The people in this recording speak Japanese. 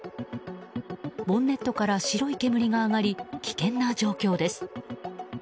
ボンネットから白い煙が上がり危険な状況です。